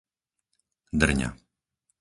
Drňa